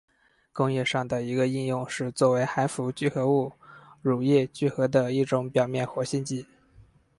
工业上的一个应用是作为含氟聚合物乳液聚合的一种表面活性剂。